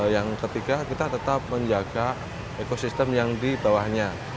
yang ketiga kita tetap menjaga ekosistem yang di bawahnya